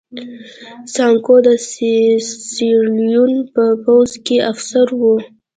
سانکو د سیریلیون په پوځ کې افسر و.